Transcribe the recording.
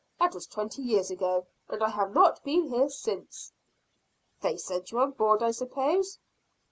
That was twenty years ago, and I have not been here since." "They sent you on board, I suppose?"